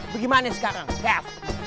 bagaimana sekarang kev